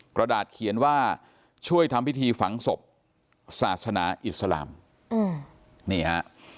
กระดาษเขียนว่าช่วยทำพิธีฝังศพศาสนาอิสลามนี่ฮะ